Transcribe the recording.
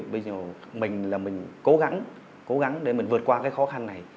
bây giờ mình là mình cố gắng cố gắng để mình vượt qua cái khó khăn này